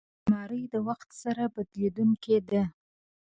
الماري د وخت سره بدلېدونکې ده